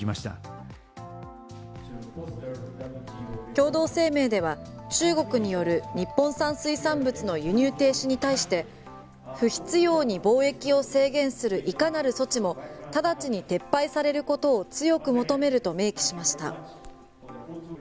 共同声明では中国による日本産水産物の輸入停止に対して不必要に貿易を制限するいかなる措置も直ちに撤廃されることを強く求めると明記しました。